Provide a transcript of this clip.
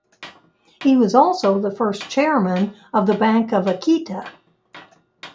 He was also the first chairman of the Bank of Akita.